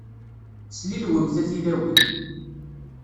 Slilwemt a tilawin.